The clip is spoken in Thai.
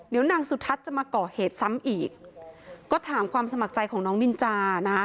เดี๋ยวนางสุทัศน์จะมาก่อเหตุซ้ำอีกก็ถามความสมัครใจของน้องนินจานะ